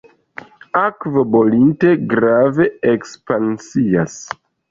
Akvo bolinte grave ekspansias.